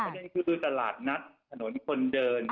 ประเด็นคือตลาดนัดถนนคนเดิน